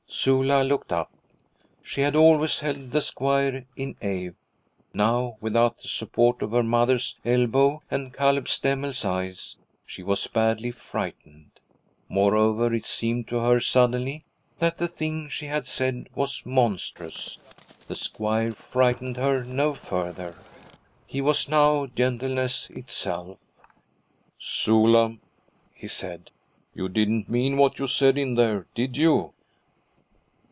Sula looked up. She had always held the squire in awe; now, without the support of her mother's elbow and Caleb Stemmel's eyes, she was badly frightened. Moreover, it seemed to her suddenly that the thing she had said was monstrous. The squire frightened her no further. He was now gentleness itself. 'Sula,' he said, 'you didn't mean what you said in there, did you?'